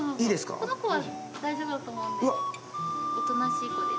この子は大丈夫だと思うんで。